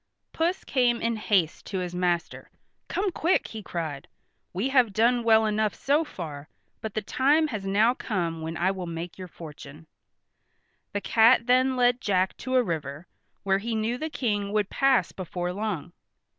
Puss came in haste to his master. "Come quick!" he cried. "We have done well enough so far, but the time has now come when I will make your fortune." The cat then led Jack to a river, where he knew the King would pass before long.